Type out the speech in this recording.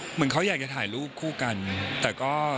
เหมือนเขาอยากจะถ่ายรูปคู่กันแต่ก็